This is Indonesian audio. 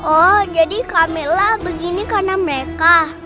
oh jadi camela begini karena mereka